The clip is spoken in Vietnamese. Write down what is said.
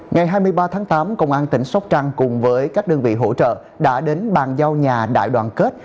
ngày hai mươi ba tháng tám công an tỉnh sóc trăng cùng với các đơn vị hỗ trợ đã đến bàn giao nhà đại đoàn kết